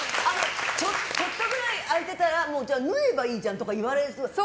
ちょっとぐらい開いてたらもう縫えばいいじゃんとか言われるの。